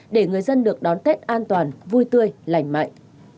để người dân được đón tết an toàn vui tươi lành mạnh